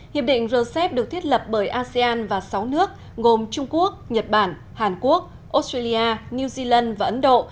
hiệp định rcep được thiết lập bởi asean và sáu nước gồm trung quốc nhật bản hàn quốc australia new zealand và ấn độ